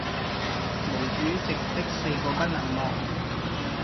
毛主席的四个不能忘！